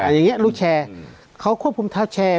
อย่างนี้ลูกแชร์เขาควบคุมเท้าแชร์